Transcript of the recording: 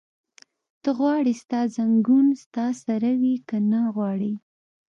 ته غواړې ستا ځنګون ستا سره وي؟ که نه غواړې؟